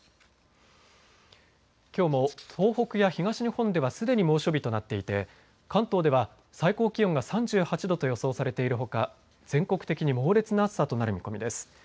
きょうも東北や東日本ではすでに猛暑日となっていて関東では最高気温が３８度と予想されているほか全国的に猛烈な暑さとなる見込みです。